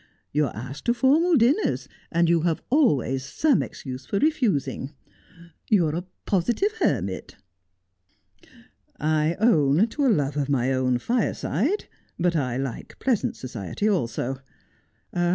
You are asked to formal dinners, and you have always some excuse for refusing. You are a positive hermit !'' I own to a love of my own fireside, but I like pleasant society also.